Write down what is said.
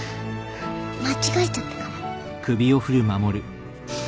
間違えちゃったから？